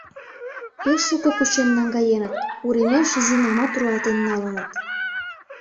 Пеш шуко кучен наҥгаеныт, уремеш Зинамат руалтен налыныт.